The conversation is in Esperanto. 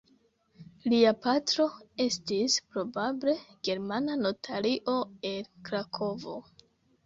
Lia patro estis probable germana notario el Krakovo.